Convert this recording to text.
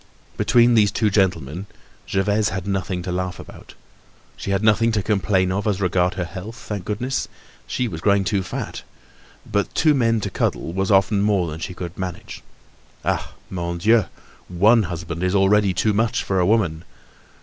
Between these two gentlemen, Gervaise had nothing to laugh about. She had nothing to complain of as regards her health, thank goodness! She was growing too fat. But two men to coddle was often more than she could manage. Ah! Mon Dieu! one husband is already too much for a woman!